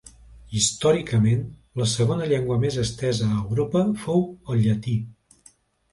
Històricament, la segona llengua més estesa a Europa fou el llatí.